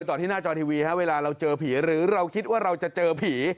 ต่อที่หน้าจอทีวีฮะเวลาเราเจอผีหรือเราคิดว่าเราจะเจอผี